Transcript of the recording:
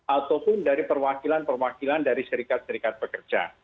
ataupun dari perwakilan perwakilan dari serikat serikat pekerja